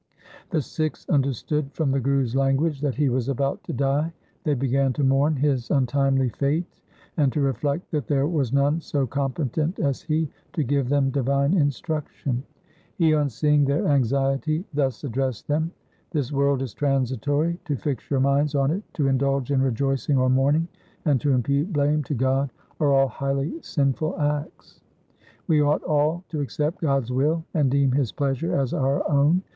The Sikhs understood from the Guruls language that he was about to die. They began to mourn his untimely fate and to reflect that there was none so competent as he to give them divine instruction. He on seeing their anxiety thus addressed them —' This world is transitory. To fix your minds on it, to indulge in rejoicing or mourning, and to impute blame to God are all highly sinful acts. We ought all to accept God's will and deem his pleasure as our own.